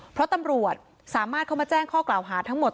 เพราะตำรวจสามารถเข้ามาแจ้งข้อกล่าวหาทั้งหมด